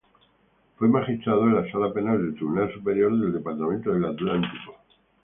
Fue Magistrado de la Sala Penal del Tribunal Superior del departamento del Atlántico.